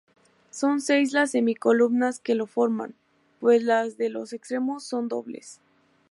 Son seis las semicolumnas que lo forman, pues las de los extremos son dobles.